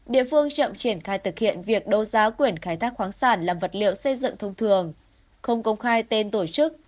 địa phương chậm triển khai thực hiện việc đấu giá quyền khai thác khoáng sản làm vật liệu xây dựng thông thường không công khai tên tổ chức